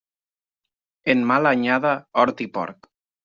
En mala anyada, hort i porc.